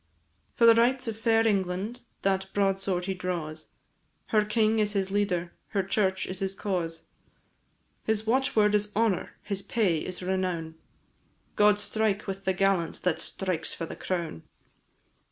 For the rights of fair England that broadsword he draws, Her king is his leader, her church is his cause, His watchword is honour, his pay is renown, God strike with the gallant that strikes for the crown!